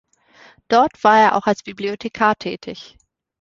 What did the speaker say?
Dort war er auch als Bibliothekar tätig.